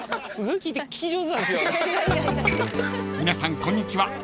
［皆さんこんにちは